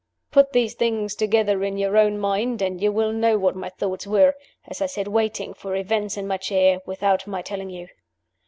Put these things together in your own mind, and you will know what my thoughts were, as I sat waiting for events in my chair, without my telling you.